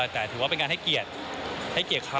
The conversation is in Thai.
แต่ถือว่าเป็นการให้เกียรติให้เกียรติเขา